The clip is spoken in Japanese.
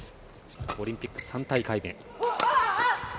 オリンピック３大会目。